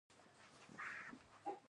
هندوکش د افغانانو ژوند اغېزمن کوي.